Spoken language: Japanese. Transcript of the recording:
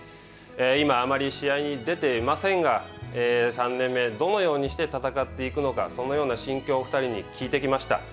今、あまり試合に出ていませんが３年目、どのようにして戦っていくのかそのような心境をお二人に聞いてきました。